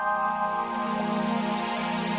oke sampai jumpa lagi